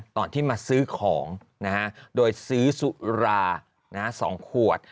ตอนที่มาซื้อของนะฮะโดยซื้อสุรานะฮะสองขวด